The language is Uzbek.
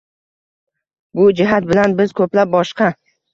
Bu jihat bilan biz ko‘plab boshqa